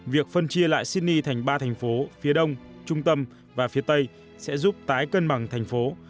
việc phân chia lại sydney thành ba thành phố phía đông trung tâm và phía tây sẽ giúp tái cân bằng thành phố